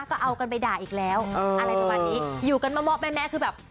ก็เอากันไปด่าอีกแล้วอะไรประมาณนี้อยู่กันมามอบแม่แม้คือแบบ